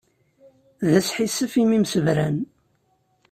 D asḥissef imi msebran.